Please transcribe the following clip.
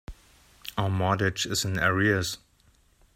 Our mortgage is in arrears.